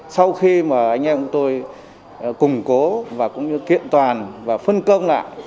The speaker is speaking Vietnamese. sau khi mà anh em của tôi củng cố và cũng như kiện toàn và phân công lại